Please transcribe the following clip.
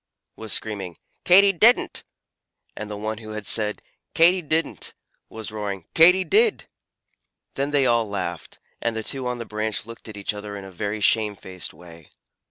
was screaming "Katy didn't!" and the one who had said "Katy didn't!" was roaring "Katy did!" Then they all laughed, and the two on the branch looked at each other in a very shamefaced way.